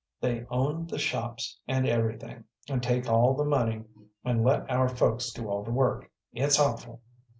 "They own the shops and everything, and take all the money, and let our folks do all the work. It's awful.